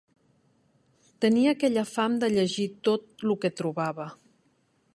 Tenia aquella fam de llegir tot lo que trobava